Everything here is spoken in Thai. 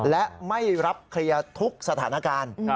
และไม่รับเคลียร์ทุกสถานการณ์